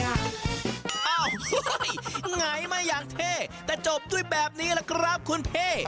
อ้าวหงายมาอย่างเท่แต่จบด้วยแบบนี้แหละครับคุณพี่